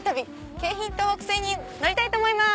京浜東北線に乗りたいと思います。